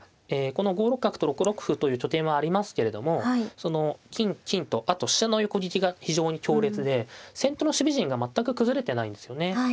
この５六角と６六歩という拠点はありますけれども金金とあと飛車の横利きが非常に強烈で先手の守備陣が全く崩れてないんですよね。